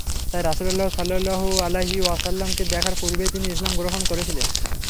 তাই রাসূলুল্লাহ সাল্লাল্লাহু আলাইহি ওয়াসাল্লামকে দেখার পূর্বেই তিনি ইসলাম গ্রহণ করেছিলেন।